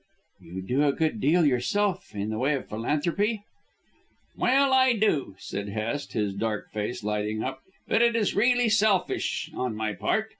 "You do a good deal yourself in the way of philanthropy?" "Well, I do," said Hest, his dark face lighting up, "but it is really selfish on my part.